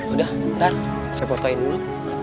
udah ntar saya fotoin dulu